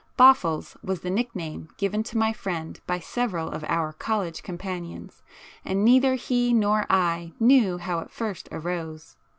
'Boffles' was the nickname given to my friend by several of our college companions, and neither he nor I knew how it first arose.